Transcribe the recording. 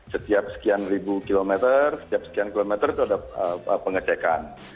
setiap sekian ribu kilometer setiap sekian kilometer itu ada pengecekan